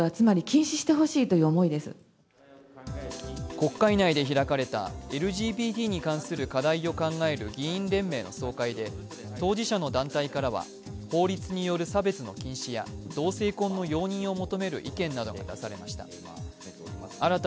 国会内員で開かれたＬＧＢＴに関する課題を考える議員連盟の総会で当事者の団体からは法律による差別の禁止や同性婚の容認を求める意見などが出されました。